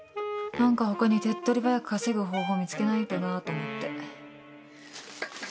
何か他に手っ取り早く稼ぐ方法見つけないとなと思って。